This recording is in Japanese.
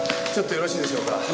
ちょっとよろしいでしょうか？